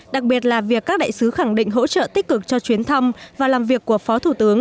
đặc biệt là việc các đại sứ khẳng định hỗ trợ tích cực cho chuyến thăm và làm việc của phó thủ tướng